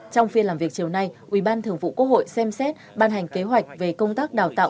trong phiên làm việc chiều nay ủy ban thường vụ quốc hội xem xét ban hành kế hoạch về công tác đào tạo